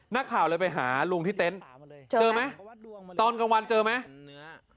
นักข่าวเลยไปหาลุงที่เต็นต์เจอไหมตอนกลางวันเจอไหม